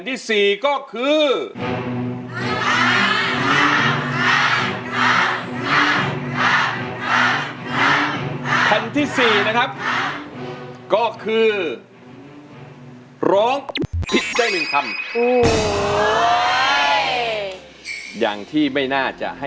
เลือกตามคุณพ่อคุณแม่นะ